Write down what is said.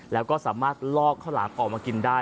แล้วก็สามารถลอกข้าวหลามออกมากินได้